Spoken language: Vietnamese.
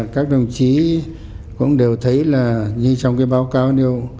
các đồng chí cũng đều thấy là như trong cái báo cáo nêu